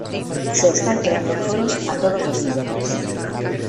Se están creando foros a todos los niveles.